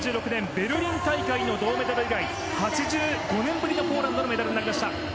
ベルリン大会の銅メダル以来８５年ぶりのポーランドのメダルになりました。